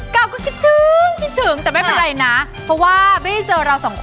คิดถึงกันบ้างมั้ยคะคุณผู้ชม